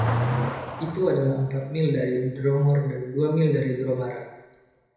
Itu adalah empat mil dari Dromore dan dua mil dari Dromara.